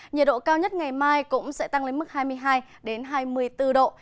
nhiệt độ cao nhất ngày mai cũng sẽ tăng lên mức hai mươi hai hai mươi bốn độ